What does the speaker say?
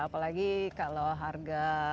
apalagi kalau harga